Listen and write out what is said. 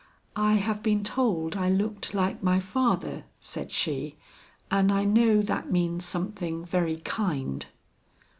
"I have been told I looked like my father," said she, "and I know that means something very kind."